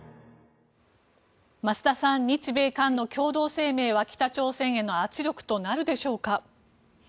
益田さん日米韓の共同声明は北朝鮮への圧力となるでしょうか？